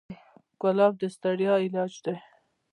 ګلاب د ستړیا علاج دی.